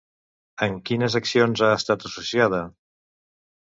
Amb quines accions ha estat associada?